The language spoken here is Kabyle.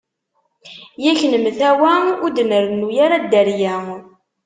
Yak nemtawa ur d nrennu ara dderya.